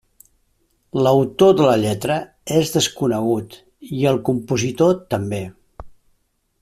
L'autor de la lletra és desconegut, i el compositor també.